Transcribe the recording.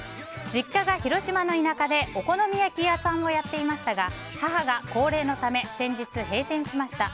実家が広島の田舎でお好み焼き屋さんをやっていましたが母が高齢のため先日、閉店しました。